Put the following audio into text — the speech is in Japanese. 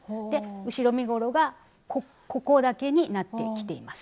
後ろ身ごろがここだけになってきています。